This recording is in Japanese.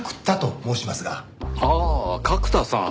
ああ角田さん。